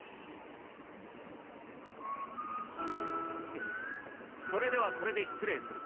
フッそれではこれで失礼する。